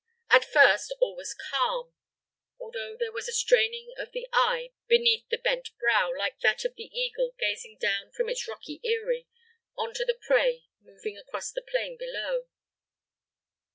At first all was calm, although there was a straining of the eye beneath the bent brow, like that of the eagle gazing down from its rocky eyrie on the prey moving across the plain below.